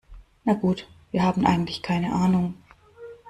Na gut, wir haben eigentlich keine Ahnung.